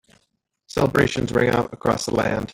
Celebrations rang out across the land.